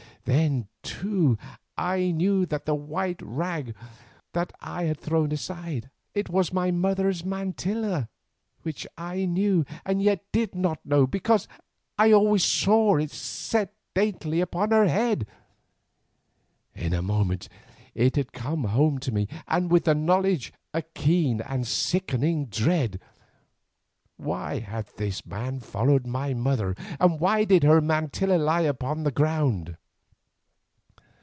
Then, too, I knew what the white rag was that I had thrown aside. It was my mother's mantilla which I knew, and yet did not know, because I always saw it set daintily upon her head. In a moment it had come home to me, and with the knowledge a keen and sickening dread. Why had this man followed my mother, and why did her mantilla lie thus upon the ground?